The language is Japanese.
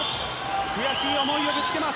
悔しい思いをぶつけます。